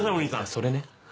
それね。